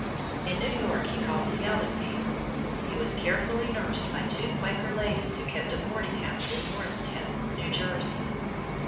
In New York he caught the yellow fever: he was carefully nursed by two Quaker ladies who kept a boarding house in Morristown, New Jersey.